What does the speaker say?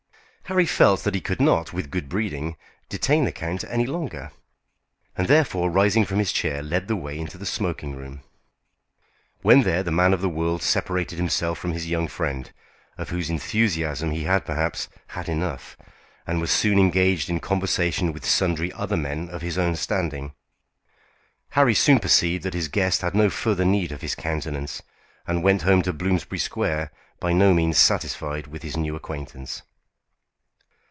Harry felt that he could not, with good breeding, detain the count any longer, and, therefore, rising from his chair, led the way into the smoking room. When there, the man of the world separated himself from his young friend, of whose enthusiasm he had perhaps had enough, and was soon engaged in conversation with sundry other men of his own standing. Harry soon perceived that his guest had no further need of his countenance, and went home to Bloomsbury Square by no means satisfied with his new acquaintance.